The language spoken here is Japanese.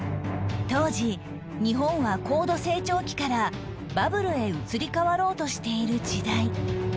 当時日本は高度成長期からバブルへ移り変わろうとしている時代